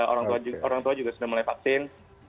orang tua juga sudah mulai vaksin